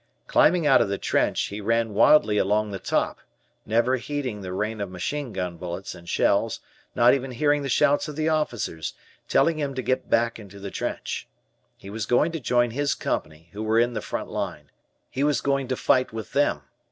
Climbing out of the trench, he ran wildly along the top, never heeding the rain of machine gun bullets and shells, not even hearing the shouts of the officers, telling him to get back into the trench. He was going to join his Company who were in the front line. He was going to fight with them.